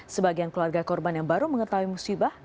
sebagian keluarga korban yang baru mengetahui musibah